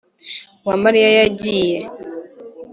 uwamariya yagiye